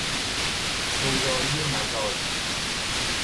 سودایی مزاج